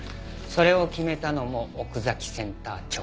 それを決めたのも奥崎センター長。